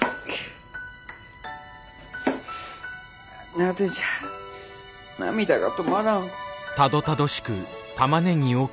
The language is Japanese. なぜじゃ涙が止まらん。